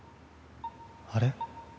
あれ？